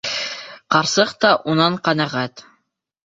Ҡарсыҡ та унан ҡәнәғәт.